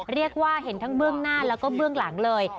เรียกว่าเห็นทั้งเบื้องหน้าแล้วก็เบื้องหลังเลย